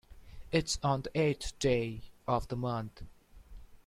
It's on the eighth day of the month.